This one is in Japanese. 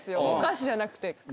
お菓子じゃなくて。